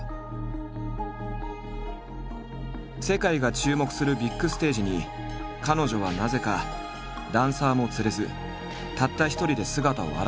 世界が注目するビッグステージに彼女はなぜかダンサーも連れずたった一人で姿を現したのだ。